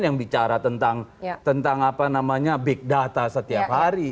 yang bicara tentang big data setiap hari